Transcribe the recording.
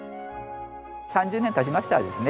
３０年経ちましたらですね